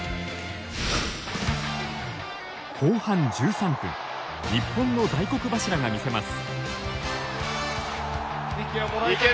後半１３分日本の大黒柱が見せます。